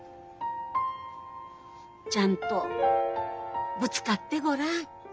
ちゃんとぶつかってごらん。